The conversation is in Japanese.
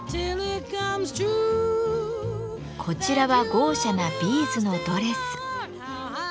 こちらは豪奢なビーズのドレス。